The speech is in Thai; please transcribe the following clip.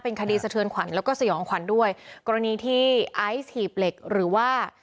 คดีสะเทือนขวัญแล้วก็สยองขวัญด้วยกรณีที่ไอซ์หีบเหล็กหรือว่า